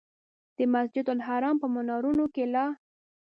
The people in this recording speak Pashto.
د مسجدالحرام په منارونو کې لا.